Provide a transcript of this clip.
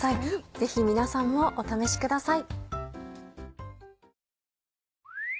ぜひ皆さんもお試しください。